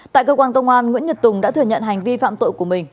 tại cơ quan công an nguyễn nhật tùng đã thừa nhận hành vi phạm tội của mình